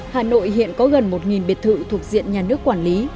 hà nội hiện có gần một biệt thự thuộc diện nhà nước quản lý